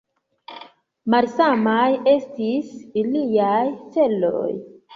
Malsamaj estis iliaj celoj.